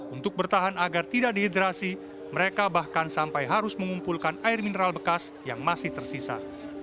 untuk bertahan agar tidak dehidrasi mereka bahkan sampai harus mengumpulkan air mineral bekas yang masih tersisa